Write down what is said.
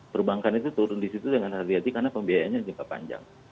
perbankan itu turun di situ dengan hati hati karena pembiayaannya jangka panjang